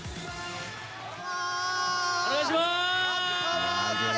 お願いします。